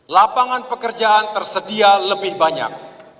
lapangan pekerjaan tersedia lebih banyak